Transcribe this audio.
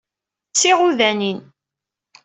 D tiɣudanin.